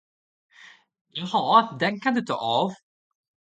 Jaha, den kan du ta av.